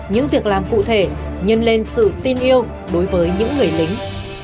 những việc làm cụ thể nhân lên sự tin yêu đối với những người lính